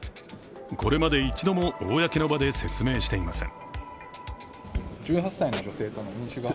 これまで１度も公の場で説明していません。